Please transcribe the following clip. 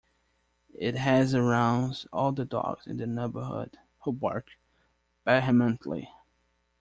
It has aroused all the dogs in the neighbourhood, who bark vehemently.